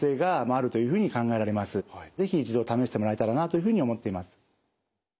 是非一度試してもらえたらなというふうに思っています。